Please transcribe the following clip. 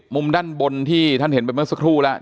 มุมด้านบนที่ท่านเห็นไปเมื่อสักครู่แล้ว